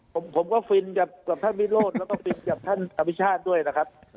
ผมก็ฟินกับท่านวิโรธแล้วก็ฟินกับท่านอภิชาติด้วยนะครับ